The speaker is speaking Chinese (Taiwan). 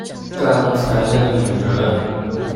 剛才那個女人